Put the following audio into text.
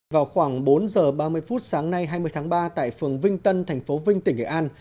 vào khoảng bốn giờ ba mươi phút sáng nay hai mươi tháng ba tại phường vinh tân thành phố vinh tỉnh nghệ an